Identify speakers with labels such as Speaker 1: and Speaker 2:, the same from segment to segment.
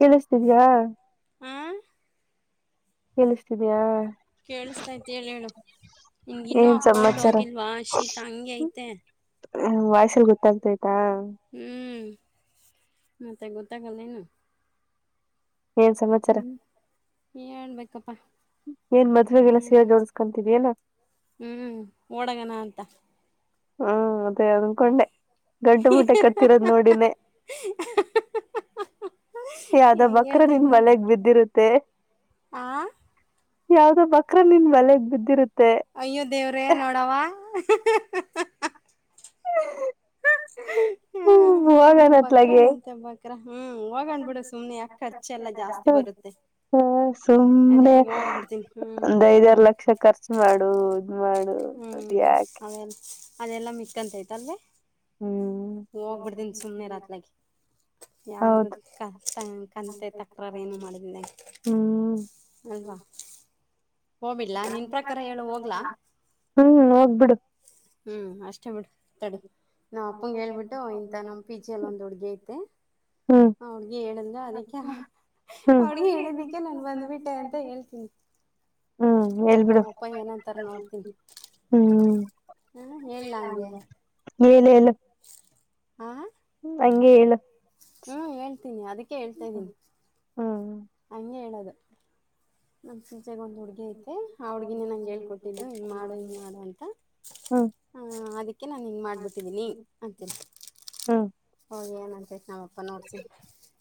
Speaker 1: ಕೇಳಿಸ್ತಿದ್ಯಾ ಕೇಳಿಸ್ತಿದ್ಯಾ
Speaker 2: ಕೇಳಿಸತಾ ತಿ ಹೇಳ ಹೇಳು ನಿನ್ ಇನ್ನುಆ ಕೋಲ್ಡ್ ಹೋಗಿಲ್ವಾ ಶೀತ ಹಂಗೆ ಐತೆ
Speaker 1: ವಾಯ್ಸ್ ಅಲ್ಲಿ ಗೊತ್ತಾಗ್ತೈತಿ
Speaker 2: ಹ್ಮ್ ಮತ್ತೆ ಗೊತ್ತಾಗಲ್ಲ ನು
Speaker 1: ಏನ್ ಸಮಾಚಾರ
Speaker 2: ನ್ಬೇಕೇಕಪ್ಪಾ ನೀ ಏನ್ ಮಾಡ ಹ್ಮ್ ಒಳಗಣ ಅಂತ
Speaker 1: ಹ್ಮ ಅದೇ ಅನ್ಕೊಂಡೆ ಗಂಡು ಮಟ್ಟೆ ಕಟ್ಟರೋದ್ ನೋಡಿನೇ ಯದ ಬಕ್ರ ನಿನ್ ಮಳಗ್ ಬಿದ್ದಿರುತ್ತೆ ಯಾವ್ದೋ ಬಕ್ರ ನಿದ ಬಲೆಗ್ ಬಿದ್ದಿರುತ್ತೆ ಹ್ಮ
Speaker 2: ಬಕ್ರಾನಂತೆ ಬಕ್ರ ಹ್ಮ್ ಹೋಗೊಂಡ್ ಬಿಡು ಸುಮ್ನೆ ಯಾಕೆ ಖರ್ಚೆಲ್ಲ ಜಾಸ್ತಿ ಬರುತ್ತೆ
Speaker 1: ಹ ಸುಮ್ನೆ ಒಂದ್ ಐದಾರ ಲಕ್ಷ ಖರ್ಚು ಮಾಡು
Speaker 2: ಹ್ಮ್ ಅವೆ ಅದೆಲ್ಲ ಮಿಟ್ಟಂತ ಆಯ್ತಲ್ವ ಹೋಗ್ಬಿಡ್ತೀನಿ ಸುಮ್ನೆ ರಾತ್ಲಗ ಯಾರಿಗೂ ಕ ಕಂತೆ ತಕ್ರಾರ ಏನು ಮಾಡೆ ಅಲ್ವಾ
Speaker 1: ಹ್ಮ್ ಹೋಗ್ಬಿಡು
Speaker 2: ಹ್ಮ್ ಅಷ್ಟೇ ಬಿಡ ತಡಿ ನಾ ಉಪ್ಪಂ ಹೇಳ್ಬಿಟ್ಟು ಇಂತ ನಮ್ಮ್ ಪಿಚ ಎಲ್ಲಿ ಒಂದ್ ಹುಡುಗ ಐತೆ ಹಡ್ಗಿ ಹೇಳಿದ್ರೆ ಅದಕ್ಕೆ ಅವಡ್ಗೆ ಹೇಳೋದಿಕ್ಕೆ ನಾನು ಬಂದ್ಬಿಟ್ಟೆ ಅಂತ ಹೇಳ್ತೀನಿ ಹ ನ್ ಅಪ್ಪ ಏನಂತಾರ ನೋಡ್ತೀನಿ ಹಾ ಹೇಳಲಂಗೆ
Speaker 1: ಮಏನಲ್ಲ
Speaker 2: ಹಾ
Speaker 1: ಹಂಗೆ ಹೇಳು
Speaker 2: ಹ್ಮ್ ಹೇಳ್ತೀನಿ ಅದಕ್ಕೆ ಹೇಳ್ತಾ ಇದ್ದೀನಿ ಹಂಗೆ ಹೇಳದು ನಮ ಸೀಚೆೆಗೆ ಒಂದ್ ಹುಡ್ಗಿ ಐತೆ ಆ ಹುಡ್ಗಿನೇ ನಂಗೆ ಹೇಳ್ಕೊಟ್ಟಿದ್ದು ಹಿಂಗ್ ಮಾಡು ಹಿಂಗ ಮಾಡು ಅಂತ ಹಾ ಅದಕ್ಕೆ ನಾನ್ ಹಿಂಗ್ ಮಾಡ್ಬಿಟ್ಟಿದ್ದೀನಿ ಅಂತ ಹಓ ಏನಂತ ನಮ್ಮಪ್ಪ ನೋಡಿಸಿ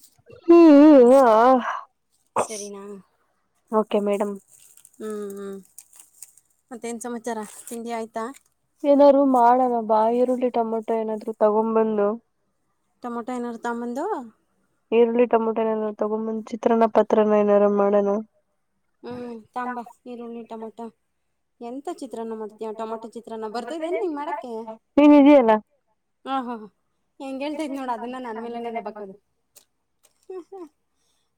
Speaker 1: ಹ್ಮ್ ಹ್ಮ ಹ
Speaker 2: ಸರಿನಾ
Speaker 1: ಓಕೆ ಮೇಡಮ್
Speaker 2: ಹ್ಞೂ ಹ್ಞೂ ಮತ್ತೇನು ಸಮಾಚಾರ ತಿಂಡಿ ಆಯಿತಾ
Speaker 1: ಏನಾರರು ಮಾಡೋಣ ಬಾ ಈರುಳ್ಳಿ ಟೊಮೊಟೊ ಏನಾದ್ರು ತಗೊ ಬಂದು
Speaker 2: ಟಮಾಟೊ ಇನ್ನರುತಂದಂದು
Speaker 1: ಈರುಳ್ಳಿಟಮೊಟೋ ಏನಾದಾರು ತಗೊಂಬಂದ್ ಚಿತ್ರನ ಪತ್ರನ ಏನಾರ ಮಾಡಣ
Speaker 2: ಹ್ಮ್ ತಂಬ ಈರುಳ್ಳಿ ಟೊಮೊಟೊ
Speaker 1: ನೀ ನಿಜ
Speaker 2: ಹಾ ಹ ಹೆಂಗಗೆ ಹೇಳ್ತತಿ್ ನೋಡ ಅದನ್ನ ನನ್ ಮೇಲೆನೆದ ಬಕದು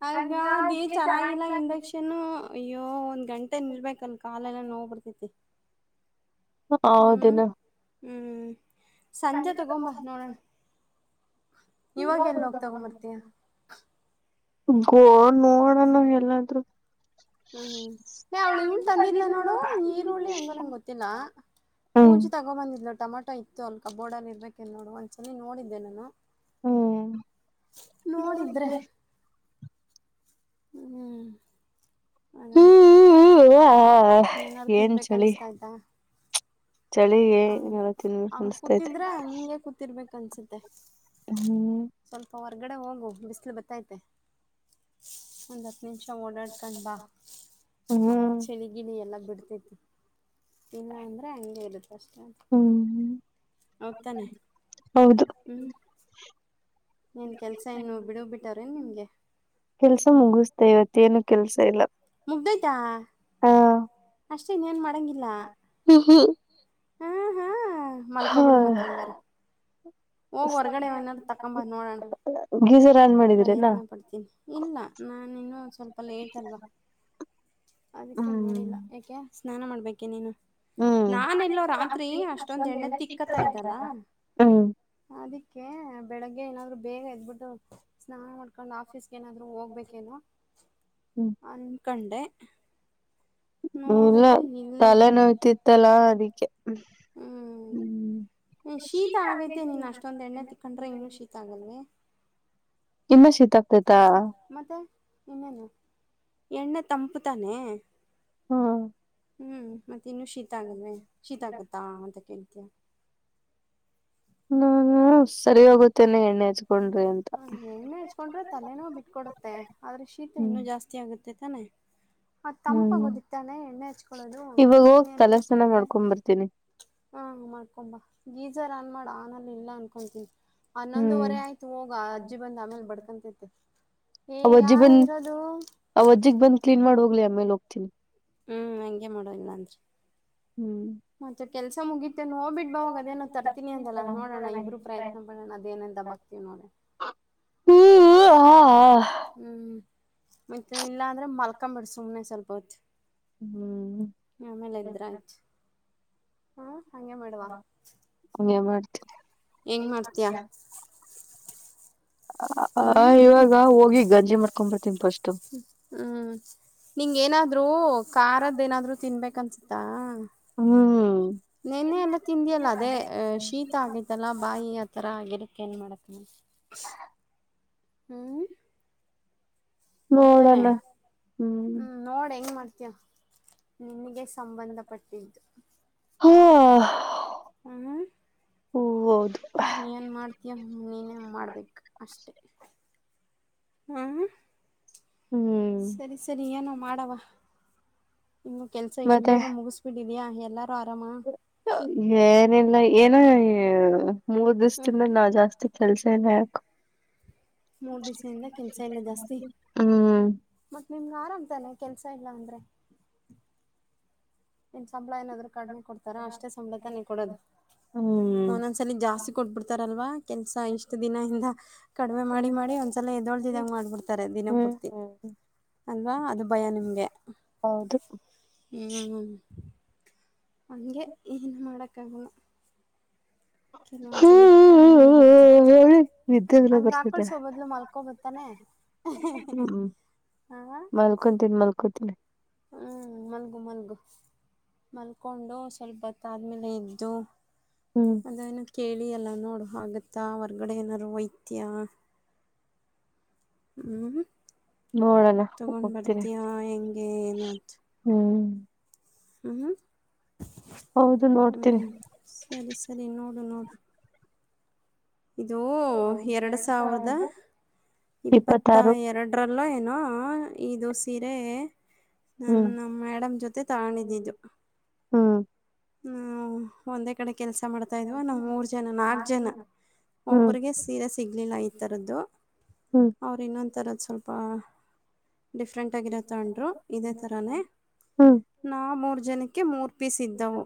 Speaker 2: ಆಗ ದೇ ಚೆನ್ನಾಗಿಲ್ಲ ಇಂಡಕ್ಷನ್ ಇ ಅಯ್ಯೋ ಒಂದ್ ಗಂಟೆ ಇರ್ಬೇಕಲ್ ಕಾಲೆಲ್ಲ ನೋಬರ್ತೇತಿ
Speaker 1: ಹಾದನ್ನು ಇವ ಗೋ ನೋಡ ನ ಎಲ್ಲಾದ್ರು
Speaker 2: ಹ್ಮ್ ಯ ಅವ್ಳು ಇವ್ಳ ತಂದಿದಿಲ್ಲ ನೋಡು ಈರುಳ್ಳಿ ಹೆಂಗ ನಂಗೆ ಗೊತ್ತಿಲ್ಲ ಪೂಜೆ ತಗೋ ಬಂದ್ಲು ಟಮಾಟೊ ಇತ್ತು ಅನ್ಕೋ ಕಬೋರ್ಡ್ ಇರಬೆಕ ನೋಡು ಒ ನಿನ್ನೆ ನೋಡಿದ್ದೆ ನಾನು ನೋಡಿದ್ರೆ ಹ್ಮ್ ಅದೇ ಮತ್ತ ಏನಾರು ತಿನ್ಬೇಕ ಅನ್ಸ್ತಾಯ್ತಾ
Speaker 1: ಚಳಿಗೆ ಏನಾರ ತಿನ್ನಬೇಕ ಅನ್ಸ್ತೈತೆ
Speaker 2: ಕನ್ಸುತ್ತೆ ಸ್ವಲ್ಪ ಹೊತ್ತ್ ಹೊರಗಡೆ ಹೋಗು ಬಿಸಿಲು ಬತ್ತೈತೆ ಒಂದ್ ಹತ್ತು ಹತ್ತ ನಿಮಿಷ ಓಡಾಡ್ಕೊಂಡ ಬಾ ಹ ಚಳಿಗಿಳಿ ಎಲ್ಲ ಬಿಡ್ತೈತಿ ಇಲ್ಲ ಅಂದ್ರೆ ಹಂಗೆ ಇರುತ್ತೆ
Speaker 1: ಹ್ಮ್ ಹ್ಮ
Speaker 2: ಹತಾನೆ ಹ್ಮ ನೀನ್ ಕೆಲ್ಸ ಇನ್ನು ಬಿಡ ಬಿಟ್ಟಾರೀ ನಿಮ್ಗೆ
Speaker 1: ಕೆಲ್ಸ ಮುಗಸದೆ ಇವತ್ತ ಏನು ಕೆಲ್ಸ ಇಲ್ಲ
Speaker 2: ಮುಗದೇತಾ ಅಷ್ಟೇ ಇನ್ನೇನು ಮಾಡಂಗಿಲ್ಲ ಹ ಮಲ್ಕೋಬಿಡಿ ಮಾತಂಗರಿ
Speaker 1: ಗೀಸರ್ ಆನ್ ಮಾಡಿದೀರ ಎಲ್ಲಾ
Speaker 2: ನಾನು ಇನ್ನು ಸ್ವಲ್ಪ ಲೇಟ್ ಅಲ್ವಾ ಅದಕ್ಕೆ ಮಾಡಿಲ್ಲ ಯಾಕೆ ಸ್ನಾನ ಮಾಡ್ಬೇಕೆ ನೀನು ನಾನೆಲ್ಲೋ ರಾತ್ರಿ ಅಷ್ಟೊಂದ್ ಎಣ್ಣೆ ತಿಕ್ಕತಾ ಇದ್ದಲ್ಲ ಅದಿಕ್ಕೆ ಬೆಳಗ್ಗೆ ಏನಾದ್ರು ಬೇಗ ಎದ್ಬಿಟ್ಟು ಸ್ನಾನ ಮಾಡ್ಕೊಂಡ್ ಆಫೀಸ್ ಏನಾದರೂ ಹೋಗ್ಬೇಕೇನ ಅನ್ಕಂಡೆ
Speaker 1: ಇಲ್ಲ ತಲೆ ನೋಯ್ತಿತ್ತಲ್ಲ ಅದಕ್ಕೆ ಹ್ಮ್ ಶೀತ [unintelligible] ಇನ್ನ ಶೀತ ಆಗ್ತಾಯಿತಾ
Speaker 2: ಇನ್ನೇನು ಎಣ್ಣೆ ತಂಪತಾನೆ
Speaker 1: ಹ್ಮ
Speaker 2: ಹ್ಮ್ ಮತ್ತೆ ಇನ್ನು ಶೀತ ಆಗಲ್ವೆ ಶೀತ ಆಗುತ್ತಾ ಅಂತ ಕೇಳ್ತಿಯಾ
Speaker 1: ನಾನು ಸರಿ ಹೋಗುತ್ತೇನೆ ಎಣ್ಣೆ
Speaker 2: ಹ ಎಣ್ಣೆ ಹಚ್ಕೊಂಡ್ರೆ ತಲೆನೋವ ಬಿಟ್ಕೊಡುತ್ತೆ ಆದ್ರೆ ಶೀತ ಇನ್ನುೂ ಜಾಸ್ತಿ ಆಗುತ್ತೆ ಇದೆ ತಾನೇ ಆ ತಂಪಗದಿತ್ತಾನೆ ಎಣ್ಣೆ ಹಚ್ಕಳೋದು ನೀನ್ ಏನಕ್ಕೆ ಹಚ್ಕೊಂಡೆ ಹಾ ಮಾಡ್ಕೊಂಬ ಗೀಸರ್ ಆನ್ ಮಾಡ ಆನ್ ಲ್ಲಿ ಇಲ್ಲ ಅನ್ಕೊತೀನಿ ಹನ್ನೊಂದುವರೆ ಆಯ್ತು ಹೋಗ ಅಜ್ಜಿ ಬಂದ ಆಮೇಲೆ ಬಡ್ಕೋತೈತೆ
Speaker 1: ಅವಜ್ಜಿ ಬಂದ್ ಅವಜ್ಜಿಗ್ ಬಂದ್ ಕ್ಲೀನ್ ಮಾಡ ಹೋಗ್ಲಿ ಆಮೇಲೆ ಹೋಗ್ತನಿ
Speaker 2: ಹ್ಮ್ ಹಂಗೆ ಮಾಡು ಇಲ್ಲಾ ಅಂದರೆ
Speaker 1: ಹ್ಮ್
Speaker 2: ಮತ್ತೆ ಕೆಲ್ಸ ಮುಗಿತೆೇ ನ ಹೋಗಿ ಬಿಟ್ಟ ಬವಾಗ ಅದೇನೋ ತರ್ತೀನಿ ಅಂದಲ್ಲಾ ನೋಡೋಣ ಇಬ್ರು ಪ್ರಯತ್ನ ಮಾಡೋಣ ಅದೇನಂದ ದಬಕ್ ನೋಡು
Speaker 1: ಹ
Speaker 2: ಹ್ಮ್ ಮತ್ತೆ ಇಲ್ಲಾ ಅಂದ್ರೆ ಮಲ್ಕಂಬಿಡ ಸುಮ್ನೆ ಸ್ವಲ್ಪ ಹೊತ್ತು ಆಮೇಲೆ ಎದ್ರಾ ಆಯತು ಹ ಹಂಗೆ ಮಾಡವ ಎಂಗ್ ಮಾಡ್ತಿಯಾ
Speaker 1: ಆ ಇವಾಗ ಹೋಗಿ ಗಂಜಿ ಮಾಡ್ಕೊಂಡು ಬರ್ತೀನಿ ಪಸ್ಟು
Speaker 2: ಹ್ಮ್ ನಿಂಗ ಏನಾದ್ರು ಖಾರದ ಏನಾದ್ರು ತಿನ್ಬೇಕನ್ಸ ಹಾ
Speaker 1: ಹೂ
Speaker 2: ನೆನ್ನೆ ಎಲ್ಲ ತಿಂದಿಯಲ್ಲ ಅದೇ ಶೀತ ಆಗೈತಲ್ಲ ಬಾಯಿ ಆತರ ಆಗಾಕ ಏನ್ ಮಾಡಕ್ [inaudible]
Speaker 1: [inaudible]
Speaker 2: ಹ್ಮ್ ಹೌತಾನೆ ಹ್ಮ್ ನೋಡ್ ಹೆಂಗ್ ಮಾಡ್ತಿಯಾ ನಿನಗೆ ಸಂಬಂಧಪಟ್ಟಿದ್ದು ಹೂ ಏನ್ ಮಾಡ್ತೀಯ ನೀನೇ ಮಾಡ್ಬೇಕು ಅಷ್ಟೆ ಹ್ಮ್ ಸರಿ ಸರಿ ಏನೋ ಮಾಡವ ನೀನ್ನು ಕೆಲ್ಸ ಇಷ್ಟ ಬೇಗ ಮುಗಿಸಬಿಡಿ ಹೇ ಎಲ್ಲಾರು ಆರಾಮಾ
Speaker 1: ಇಲ್ಲ ಏನ ಮೂರ್ ದಿವಿಸದಿಂದ ನಾ ಜಾಸ್ತಿ ಕೆಲ್ಸ ಏನ ಯಾಕು ಹ್ಮ್
Speaker 2: ಮತ್ತತ್ ನಿಮ್ಗೆ ಆರಾಮ್ ತಾನೆ ಕೆಲ್ಸ ಇಲ್ಲ ಅಂದ್ರೆ ನಿನ್ ಸಂಬಳ ಏನಾದ್ರು ಕಡಿಮೆ ಕೊಡ್ತಾರ ಅಷ್ಟೇ ಸಂಬಳತ ನೀ ಕೊಡೋದು ಒಂದೊಂದ್ಸಲ ಜಾಸ್ತಿ ಕೊಟ್ಬಿಡ್ತಾರಲ್ವಾ ಕೆಲ್ಸ ಇಷ್ಟ್ ದಿನ ಇಿಂದ ಕಡಿಮೆ ಮಾಡಿ ಮಾಡಿ ಒಂದ್ಸಲ ದೊಳ್ದಿದಾಗ ಮಾಡ್ಬಿಡ್ತಾರೆ ದಿನಪೂರ್ತಿ ಅಲ್ವಾ ಅದು ಭಯ ನಿಮಗೆ ಹ್ಮ್ ಹಂಗೆ ಏನು ಮಾಡಕ್ಕಾಗಲ್ಲ ಕೆಲವೊಂದ್ಸಲ ಕಡಿಮೆ ಇರುತ್ತೆ ಹಂಗ ಆಾಕಳ್ಸಬದ್ಲು ಮಲ್ಕೊಬತಾನೆ
Speaker 1: ಮಲ್ಕೊಂತೀನಿ ಮಲ್ಕೊತೀನಿ
Speaker 2: ಹ್ಞ ಮಲ್ಗು ಮಲ್ಗು ಮಲ್ಕೊಂಡು ಸ್ವಲ್ ಭತ್ತಾದಮೇಲೆ ಇದ್ದು ಅದನ ಕೇಳಿ ಎಲ್ಲ ನೋಡೋ ಆಗುತ್ತಾ ಹೊರ್ಗಡೆ ಏನಾದಾರ್ೂ ವೈತ್ಯ ಹ್ಮ್ ತಗೊಂಡ್ ಬರ್ತೀಯಾ ಹೆಂಗೆ ಏನು ಅಂತ ಹ್ಮ್ ಹ್ಮ್ ಸರಿ ಸರಿ ನೋಡು ನೋಡ ಇದು ಎರಡು ಸಾವಿರದ ಇಪ್ಪತ್ತ ಎರಡರಲ್ಲ ನ ಈ ದೋಸಿರೆ ನನ್ ನಮ್ಮ ಮೇಡಮ್ ಜೊತೆ ತಗೊಂಡಿದ್ದಿದ್ದು
Speaker 1: ಹ್ಮ
Speaker 2: ನ ಒಂದೇ ಕಡೆ ಕೆಲಸ ಮಾಡ್ತಾ ಇದ್ವ ನಾವು ಮೂರು ಜನ ನಾಲ್ಕು ಜನ ಒಬ್ಬ್ರಿಗೆ ಸೀರೆ ಸಿಗ್ಲಿಲ್ಲ ಈಥರದ್ದು ಅವ್ರು ಇನ್ನೊಂದುಥರದ್ದ ಸ್ವಲ್ಪ ಡಿಫ್ರೆಂಟಾಗಿರ ತಗೊಂಡರು ಇದೇ ಥರನೇ ನಾವು ಮೂರು ಜನಕ್ಕೆ ಮೂರು ಪ್ಪಿ ಸಿಿದ್ಧವು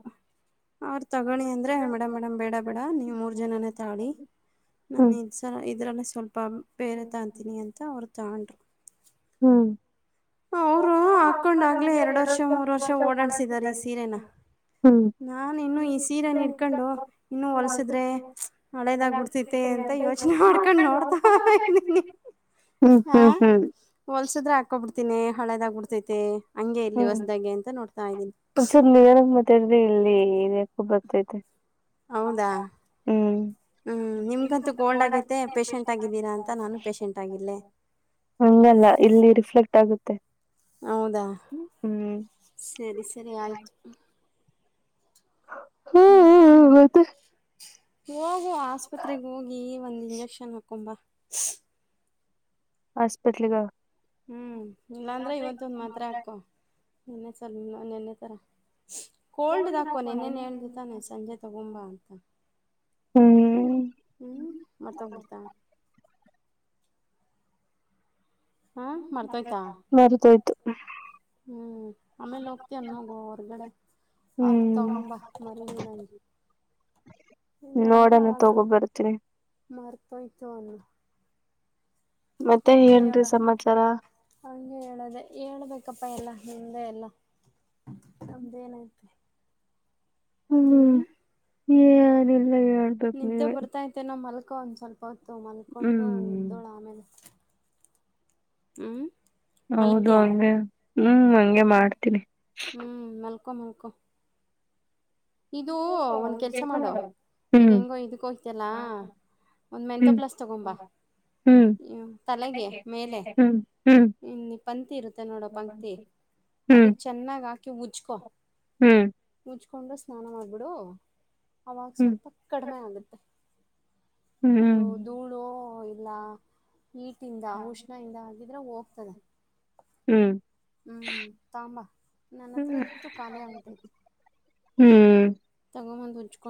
Speaker 2: ಅವ್ರು ತಗೋಳಿ ಅಂದ್ರೆ ಮೇಡಮ್ ಮೇಡಮ್ ಬೇಡ ಬೇಡ ನೀವು ಮೂರು ಜನನೇ ತಾಳಿ ನಾನು ಇ ಸ ಇದರಲ್ಲ ಸ್ವಲ್ಪ ಬೇರೆ ತಗತೀನಿ ಅಂತ ಅವ್ರು ತಗೊಂಡ್ರು
Speaker 1: ಹ್ಮ್ ಹೌದಾ ಅಪ್ಪ ನಂಗೆ ಎರಡು ವರ್ಷ ಮೂರ್ ವರ್ಷ ಹನರ್ಸಲ್ಲ ಹ್ಮ ನಿ ಹ್ಮ್ ಹ್ಮ್ ಹ್ಮ್
Speaker 2: ಹೊಲ್ಸಿದ್ರೆ ಹಾಕೊಬಿಡ್ತಿನಿ ಹಳೆದಾಗಬಿಡ್ತೈತಿ
Speaker 1: ಹ್ಮ್ ಒಂದ್ಸವಲ್ ನಿಧಾನಕ್ ಮಾತಾಿದ್ರಿ ಇಲ್ಲಿ ಯಕು ಬರ್ತೈತೆ
Speaker 2: ಹೌದಾ ಹ್ಞೂ ನಿಮ್ಗಂತೂ ಕೋಲ್ಡ್ ಆಗೈತೆ ಪೇಷಂಟ್ ಆಗಿದ್ದೀರಾ ಅಂತ ನಾನು ಪೇಷೆಂಟ್ ಆಗಿಲ್ಲೆ
Speaker 1: ಹಂಗಲ್ಲ ಇಲ್ಲಿ ರಿಫ್ಲೆಕ್ಟ್ ಆಗುತ್ತೆ
Speaker 2: ಹೌದಾ ಸರಿ ಸರಿ ಆಯ್ತು
Speaker 1: ಹ್ಮ್ ಹ್ಮ್ ಮತ್ತೆ
Speaker 2: ಹೋಗು ಆಸ್ಪತ್ರೆಗೆ ಹೋಗಿ ಒಂದು ಇಂಜೆಕ್ಷನ್ ಹಾಕೊಂಡ್ ಬಾ
Speaker 1: ಹಾಸ್ಪಿಟಲ್
Speaker 2: ಹ್ಮ್ ಇಲ್ಲಾಂದ್ರೆ ಇವತ್ತೊಂದು ಮಾತ್ರೆ ಹಾಕೋ ನಿನ್ನೆ ಸಲ್ ನೆನ್ನೆ ತರ ಕೋಲ್ಡ್ದು ಅಕೋ ನೆನ್ನೆನೇ ಹೇಳ್ದ ತಾನೆ ಸಂಜೆ ತಗೊಂಬಾ ಅಂತ ಹ್ಮ ಮರ್ತೋಗಿತ್ತ
Speaker 1: ಮರೆತೋಯ್ತು
Speaker 2: ಹ್ಮ್ ಆಮೇಲೆ ಹೋಗ್ತೀಯ ಅಲ್ವಾ ಹೊರ್ಗಡೆ ಆಗ ತಗೊಂಡ್ ಬಾ
Speaker 1: ನೋಡಣ ತಗೋಬರ್ತ್ರಿನಿ
Speaker 2: ಹೋಗಿ ತೊಗೊಂಡ ಬಾ [unintelligible] ಹೇಳ ಹಂಗೆ ಹೇಳದೆ ಹೇಳ್ಬೇಕಪ್ಪಾ ಎಲ್ಲ ನಿಮ್ದೆ ಎಲ್ಲ ನಮ್ದೇನು ಐತೆ
Speaker 1: ಹ್ಮ್ ಏನಿಲ್ಲ ಹೇಳಬೇಕು ನೀವೇ
Speaker 2: ಮಾಲ್ಕೋ ಒಂದ್ ಸ್ವಲ್ಪ ಹೊತ್ತು ಮಲ್ಕೊಂಡು ಏದೇಳು ಆಮೇಲೆ ಹ್ಮ್
Speaker 1: ಹೌದು ಹಂಗೆ ಹ್ಮ್ ಹಂಗೆ ಮಾಡ್ತೀನಿ
Speaker 2: ಮಾಲ್ಕೋ ಮಕ್ಕೊ ಇದು ಒಂದ ಕೆಲ್ಸ ಮಾಡು ಈಗ ಹೆಂಗೋ ಇದಕ್ಕೆ ಹೋಗುತಿಯಲ್ಲ ಒಂದ್ ಮೆಂತೋ ಪ್ಲಸ್ ತಗೊಂಡು ಬಾ ತಲೆಗೆ ಮೇಲೆ ಪಂತಿ ಇರುತ್ತೆ ನೋಡೋ ಪಂತಿ ಅದಿಕ್ ಚೆನ್ನಾಗ್ ಹಾಕಿ ಹುಜ್ಕೊ ಉಜಕೊ ಹುಚ್ಕೊಂಡು ಸ್ನಾನ ಮಾಡಬಿಡು ಅವಾಗ ಸ್ವಲ್ಪ ಕಡಿಮೆ ಆಗುತ್ತೆ ಅದು ಧೂಳು ಇಲ್ಲ ಈಟಿಂದ ಉಷ್ಣ ಇಂದ ಆಗಿದ್ರೆ ಹೋಗ [unintelligible]
Speaker 1: ಹ್ಮ್
Speaker 2: ಹ್ಮ್ ತಾಂಬಾ ನನ್ನ ಹತ್ರ ಇತ್ತು ಖಾಲಿ ಆಗ್ಬಿಟ್ಟಿದೆ
Speaker 1: ಹ್ಮ್
Speaker 2: [unintelligible]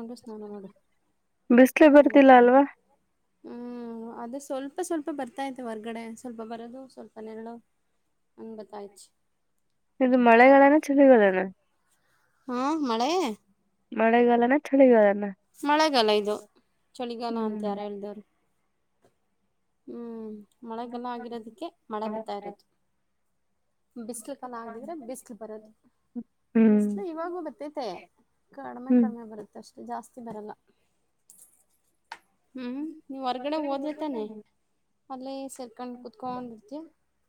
Speaker 1: ಬಿಸಲೆ ಬರ್ತಿಲ್ಲ ಅಲ್ವಾ
Speaker 2: ಹ್ಮ್ ಅದೇ ಸ್ವಲ್ಪ ಸ್ವಲ್ಪ ಬರ್ತಾಇದೆ ಹೊರ್ಗಡೆ ಸ್ವಲ್ಪ ಬರದು ಸ್ವಲ್ಪ ನೆರಳು [unintelligible]
Speaker 1: ಇದು ಮಳೆಗಾಲದ ಚಳಿಗಾಲ
Speaker 2: ಹಾ ಮಳೆ
Speaker 1: ಮಳೆಗಾಲನ ಚಳಿಗಾಲನ
Speaker 2: ಮಳೆಗಾಲ ಇದು ಚಳಿಗಾಲ ಅಂತ ಯಾರು ಹೇಳ್ದವರು ಹ್ಮ್ ಮಳೆಗಾಲ ಆಗಿರೋದಕ್ಕೆ ಮಳೆ ಬರ್ತಾ ಇರೋದು ಬಿಸಿಲು ಗಾಲ ಆಗಿದ್ರೆ ಬಿಸಿಲು ಬರದು ಬಿಸ್ಲು ಇವಾಗೂ ಬತ್ತೈತೆ ಕಡಿಮೆ ಕಡಿಮೆ ಬರುತ್ತೆ ಅಷ್ಟೆ ಜಾಸ್ತಿ ಬರಲ್ಲ ಹ್ಮ್ ನೀವ್ ಹೊರ್ಗಡೆ ಹೋದ್ರೆ ತಾನೆ ಅಲ್ಲೇ ಸೇರ್ಕೊಂಡು ಕುೂತ್ಕೊಂಡ್ರ್ತೀ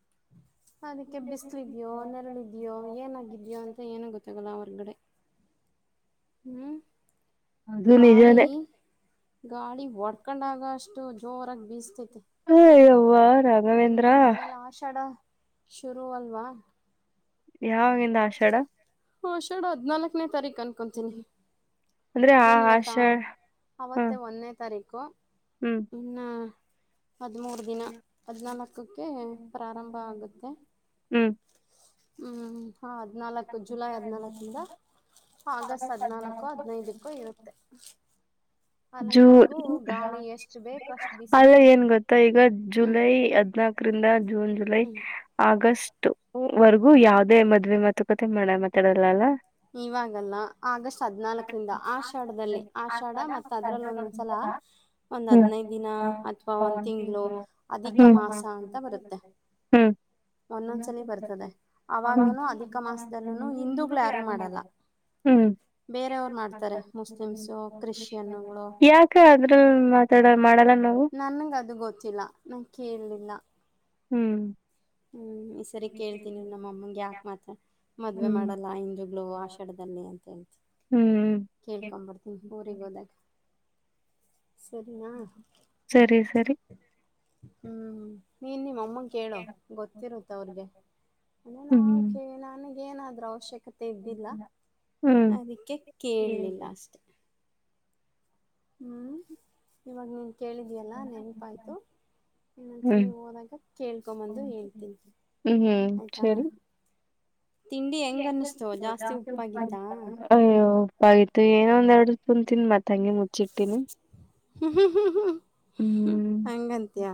Speaker 1: [inaudible]
Speaker 2: ಅದಕ್ಕೆ ಬಿಸಲುದ್ಯೋ ನೆರಳಿದ್ಯೋ ಏನಾಗಿದ್ಯೋ ಅಂತ ಏನ ಗೊತ್ತಾಗಲ್ಲ ಹೊರ್ಗಡೆ ಹ್ಮ್
Speaker 1: ಅದು ನಿಜಾನೇ
Speaker 2: ಗಾಳಿ ಹೊಡ್ಕೊಂಡಾಗ ಅಷ್ಟು ಜೋರಾಗಿ ಬೀಸ್ತೈತಿ
Speaker 1: ಯುವ್ವ ರಾಘವೇಂದ್ರ
Speaker 2: ಶುರು ಅಲ್ವಾ
Speaker 1: ಯಾವಾಗಿಂದ ಆಷಾಢ
Speaker 2: ಆಷಾಢ ಹದ್ನಾಲ್ಕನೇ ತಾರೀಕು ಅನ್ಕೊಂತೀನಿ ಗೇನು ಇವತ್ತ ಅವತ್ತೇ ಒಂದನೇ ತಾರೀಕು ಇನ್ನು ಹದಿಮೂರು ದಿನ ಹದಿನಾಲ್ಕಕ್ಕೆ ಪ್ರಾರಂಭ ಆಗುತ್ತೆ
Speaker 1: ಹ್ಮ್
Speaker 2: ಹ್ಞೂ ಹಾಂ ಹದಿನಾಲ್ಕು ಜುಲೈ ಹದಿನಾಲ್ಕಿಂದ ಆಗಸ್ಟ್ ಹದ್ನಾಲ್ಕು ಹದ್ನೈದಕ್ಕೂ ಇರುತ್ತೆ
Speaker 1: ಜೂ ಅಲ್ಲ ಏನ್ ಗೊತ್ತಾ ಈಗ ಜುಲೈ ಅದ ಹದ್ನಾಲ್ಕರಿಂದ ಜೂನ್ ಜುಲೈ ಆಗಸ್ಟ್ ವರ್ಗೂ ಯಾವ್ದೇ ಮದ್ವೇ ಮಾತುಕತೆ ಮಾಡೋ ಮಾತಾಡಲ್ಲಲ್ಲ
Speaker 2: ಇವಾಗಲ್ಲ ಆಗಸ್ಟ್ ಹದ್ನಾಲ್ಕರಿಂದ ಆಷಾಢದಲ್ಲಿ ಆಷಾಢ ಮತ್ತ ಅದ್ರಲ್ಲಿ ಒಂದೊಂದ್ಸಲ ಹ ಒಂದ್ ಹದ್ನೈದು ದಿನ ಅಥವಾ ಒಂದ್ ತಿಂಗಳು ಅಧಿಕ ಮಾಸ ಅಂತ ಬರುತ್ತೆ ಒಂದೊಂದ್ಸಲಿ ಬರ್ತದೆ ಅವಾಗನು ಅಧಿಕ ಮಾಸದಲ್ಲೂನು ಹಿಂದೂಗ್ಳು
Speaker 1: ಹ್ಮ್ ಯಾಕ ಅದ್ರ ಮಾತಾಡ ಮಾಡಲ್ಲ
Speaker 2: ನನ್ಗ ಅದು ಗೊತ್ತಿಲ್ಲ ನನ್ ಕೇಳಲಿಲ್ಲ
Speaker 1: ಹ್ಮ್
Speaker 2: ಹ್ಮ್ ಸರಿ ಕೇಳ್ತೀನಿ ನಮ್ಮಮ್ಮಗೆ ಯಾಕ ಮಾತ ಮದ್ವೆ ಮಾಡಲ್ಲ ಹಿಂದುಗಳು ಆಷಾಢದಲ್ಲಿ ಅಂತ ಹೇಳಿ ಕೇಳ್ಕೊಂಡ್ ಬರ್ತೀನಿ ಊರಿಗೆ ಹೋದಾಗ
Speaker 1: ಸರಿ ಸರಿ
Speaker 2: ಹ್ಮ್ ನೀನ್ ನಿಮ್ಮ ಅಮ್ಮನ್ ಕೇಳು ಗೊತ್ತಿರುತ್ತ ಅವ್ರಿಗೆ ಅಂದೆ ನಾವು ಕ ನನಗ ಏನದ್ರ ಅವಶ್ಯಕತೆ ಕತೆ ಇದ್ದಿಲ್ಲ ಅದಕ್ಕೆ ಕೇಳಲಿಲ್ಲ ಅಷ್ಟೇ ಹ್ಞೂ ಇವಾಗ ನೀನು ಕೇಳಿದೀಯಲ್ಲ ನೆನಪಾಯ್ತು ಇನ್ನೊಂದ್ಸಲ ಹೋದಾಗ ಕೇಳ್ಕೊಂಬಂದು ಹೇಳ್ತೀನಿ
Speaker 1: ಹ್ಮ್ ಸರಿ ಅಯ್ಯೋ ಉಪ್ಪಾಗಿತ್ತು ಏನೋ ಒಂದೆರಡು ತಿಂದ್ ಮತ್ತಂಗೆ ಮುಚ್ಚಿಟ್ಟಿನಿ
Speaker 2: ಹಂಗಂತಿಯ